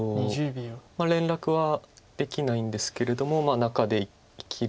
連絡はできないんですけれども中で生きるか